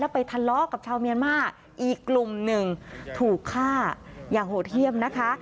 ไปทะเลาะกับชาวเมียนมาร์อีกกลุ่มหนึ่งถูกฆ่าอย่างโหดเยี่ยมนะคะ